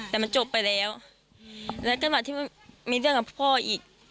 แต่มันจบไปแล้วแล้วขณะที่มีเรื่องกับพ่ออีก